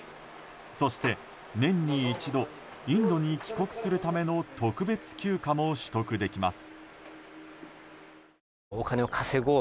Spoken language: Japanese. そして年に一度、インドに帰国するための特別休暇も取得できます。